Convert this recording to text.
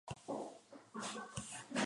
Nuevamente fracasó.